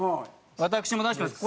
私も出してます